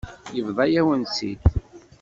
Yebḍa-yawen-tt-id.